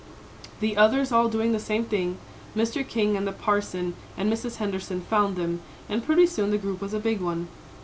The others all doing the same thing, Mr. King and the Parson and Mrs. Henderson found them, and pretty soon the group was a big one.